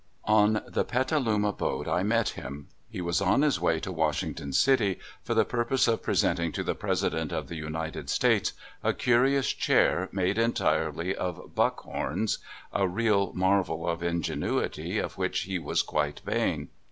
j^lgN the Petaliima boat I met him. He was ^mvm^ on his way to Washington City, for the ^k^ii^ purpose of presenting to the President of the United States a curious chair made entirely of buck horns, a real marvel of ingenuity, of whicli h^ was quite vain.